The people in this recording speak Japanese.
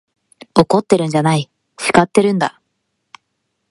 怒ってるんじゃない、叱ってるんだ。